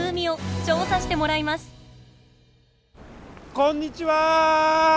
こんにちは！